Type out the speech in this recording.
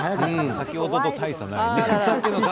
先ほどと大差がないね。